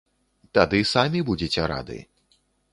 Тады самі будзеце рады.